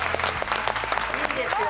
いいですよ！